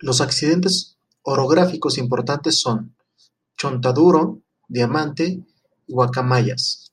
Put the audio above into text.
Los accidentes orográficos importantes son: Chontaduro, Diamante y Guacamayas.